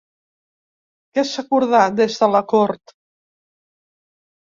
Què s'acordà des de la Cort?